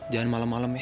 jangan malam malam ya